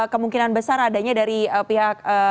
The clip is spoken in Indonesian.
kemungkinan besar adanya dari pihak